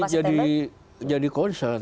ya itu jadi concern